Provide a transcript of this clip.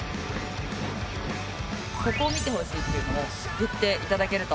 ここを見てほしいっていうのを言って頂けると。